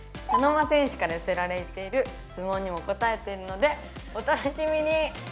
茶の間戦士から寄せられている質問にも答えているのでお楽しみに！